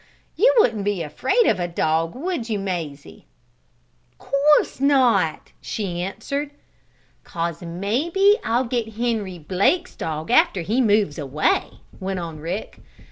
You wouldn't be afraid of a dog; would you, Mazie?" "Course not!" she answered. "'Cause maybe I'll get Henry Blake's dog after he moves away," went on Rick.